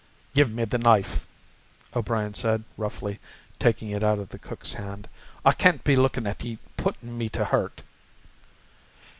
"Give me the knife," O'Brien said roughly, taking it out of the cook's hand. "I can't be lookin' at ye puttin' me to hurt."